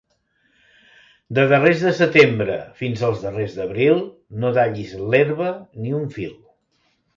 De darrers de setembre fins als darrers d'abril, no dallis l'herba ni un fil.